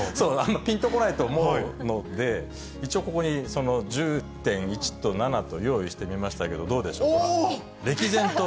ぴんとこないと思うので、一応、ここに１０．１と７と用意してみましたけど、どうでしょうか？